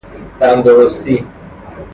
تندرستی